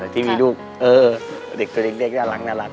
ที่มีลูกเด็กดังลัก